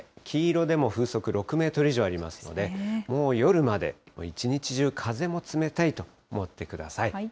黄色でも風速６メートル以上ありますので、もう夜まで、１日中風も冷たいと思ってください。